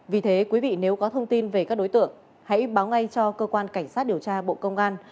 vì thế quý vị nếu có thông tin về các đối tượng hãy báo ngay cho cơ quan cảnh sát điều tra bộ công an